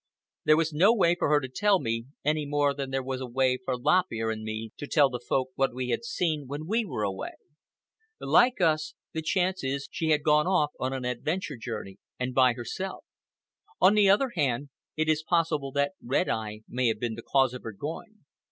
There was no way for her to tell me, any more than there was a way for Lop Ear and me to tell the Folk what we had seen when we were away. Like us, the chance is she had gone off on an adventure journey, and by herself. On the other hand, it is possible that Red Eye may have been the cause of her going.